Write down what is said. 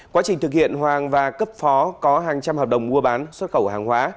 quá trình thực hiện hoàng và cấp phó có hàng trăm hợp đồng mua bán xuất khẩu hàng hóa